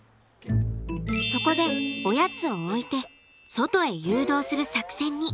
そこでおやつを置いて外へ誘導する作戦に。